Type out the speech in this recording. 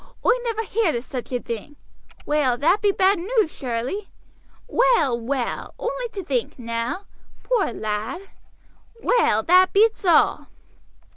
Oi never heer'd o' such a thing. Well, that be bad news, surely! Well, well, only to think, now! Poor lad! Well, that beats all!"